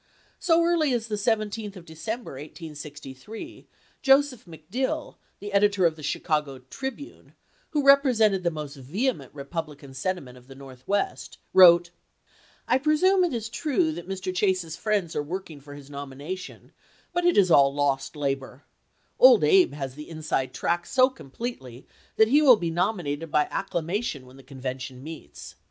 So early as the 17th of December, 1863, Joseph Medill, the editor of the " Chicago Tribune," who represented the most vehement Eepublican sentiment of the Northwest, wrote :" I presume it is true that Mr. Chase's friends are working for his nomination, but it is all lost labor ; Old Abe has the inside track so completely that he will be nominated by acclama tion when the convention meets.